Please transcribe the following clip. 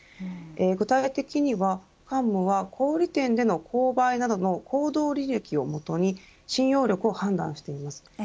具体的には、カンムは小売店での購買などの行動履歴を基に信用力を判断しています。